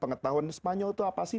pengetahuan spanyol itu apa sih